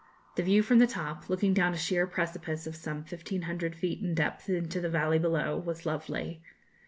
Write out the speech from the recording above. The view from the top, looking down a sheer precipice of some 1,500 feet in depth into the valley below, was lovely.